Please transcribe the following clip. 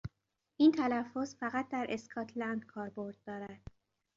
این تلفظ فقط در اسکاتلند کاربرد دارد.